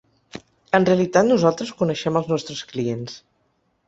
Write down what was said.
En realitat nosaltres coneixem els nostres clients.